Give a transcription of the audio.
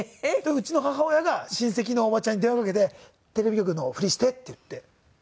うちの母親が親戚のおばちゃんに電話かけて「テレビ局のふりして」って言って。